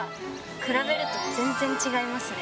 比べると全然違いますね。